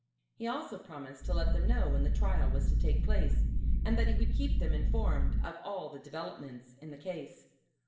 He also promised to let them know when the trial was to take place, and that he would keep them informed of all the developments in the case.